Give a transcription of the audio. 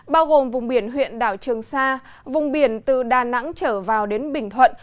bao gồm vùng biển huyện đảo trường sa vùng biển từ đà nẵng trở vào đến bình thuận